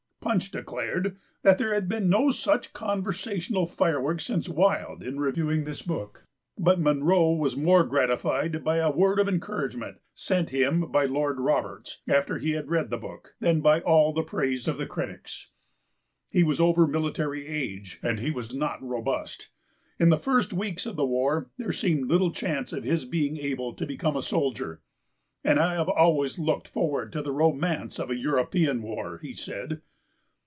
Punch declared that there had been no such conversational fireworks since Wilde, in reviewing this book, but Munro was more gratified by a word of encouragement sent him by Lord Roberts, after he had read the book, than by all the praise of the critics. He was over military age and he was not robust. In the first weeks of the war there seemed little chance of his being able to become a soldier. "And I have always looked forward to the romance of a European war," he said.